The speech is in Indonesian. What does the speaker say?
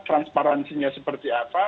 transparansinya seperti apa